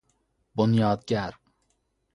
بنیاد گر